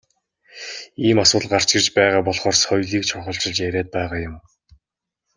Ийм асуудал гарч ирж байгаа болохоор соёлыг чухалчилж яриад байгаа юм.